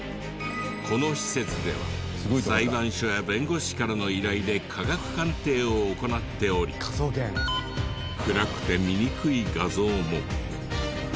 この施設では裁判所や弁護士からの依頼で科学鑑定を行っており暗くて見にくい画像も。